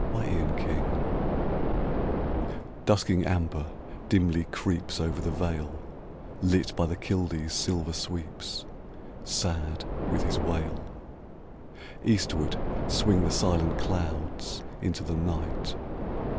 STORM EBB Dusking amber dimly creeps Over the vale, Lit by the kildee's silver sweeps, Sad with his wail. Eastward swing the silent clouds Into the night.